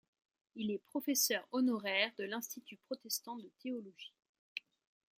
Il est professeur honoraire de l'Institut protestant de théologie.